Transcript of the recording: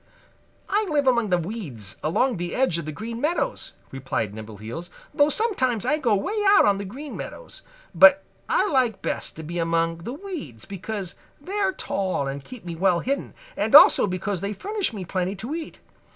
"I live among the weeds along the edge of the Green Meadows," replied Nimbleheels, "though sometimes I go way out on the Green Meadows. But I like best to be among the weeds because they are tall and keep me well hidden, and also because they furnish me plenty to eat.